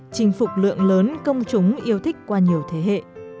chinh phục lượng lớn công chúng yêu thích qua nhiều thế hệ